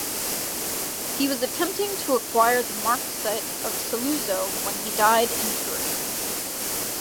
He was attempting to acquire the marquisate of Saluzzo when he died in Turin.